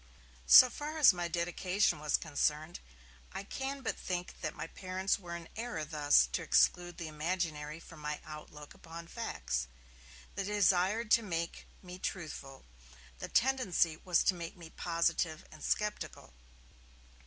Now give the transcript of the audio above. So far as my 'dedication' was concerned, I can but think that my parents were in error thus to exclude the imaginary from my outlook upon facts. They desired to make me truthful; the tendency was to make me positive and sceptical.